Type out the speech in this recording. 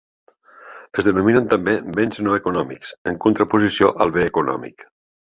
Es denominen també béns no econòmics, en contraposició al bé econòmic.